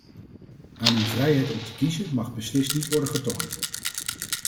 Aan hun vrijheid om te kiezen mag beslist niet worden getornd.